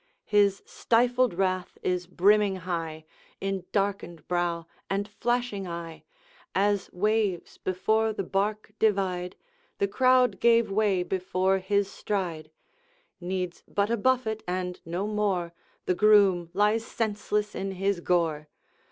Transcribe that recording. His stifled wrath is brimming high, In darkened brow and flashing eye; As waves before the bark divide, The crowd gave way before his stride; Needs but a buffet and no more, The groom lies senseless in his gore.